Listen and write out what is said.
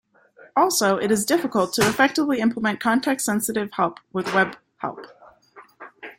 Also, it is difficult to effectively implement context-sensitive help with web help.